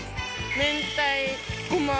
明太ごま油。